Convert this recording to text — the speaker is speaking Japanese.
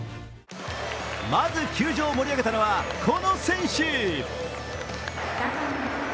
まず、球場を盛り上げたのはこの選手。